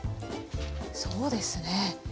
そうですね。